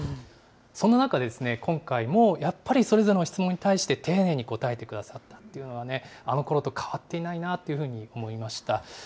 その中ですね、今回も、やっぱりそれぞれの質問に対して丁寧に答えてくださるというのがね、あのころと変わっていないなっていうふうに思いました。